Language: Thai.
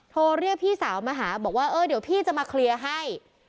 โทรเรียกพี่สาวมาหาบอกว่าเออเดี๋ยวพี่จะมาเคลียร์ให้